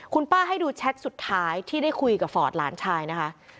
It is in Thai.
คุณป้าให้ดูแชทสุดท้ายที่ได้คุยกับฟอร์ดหลานชายนะคะ